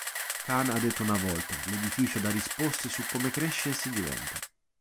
Kahn ha detto una volta, "l'edificio dà risposte su come cresce e si diventa".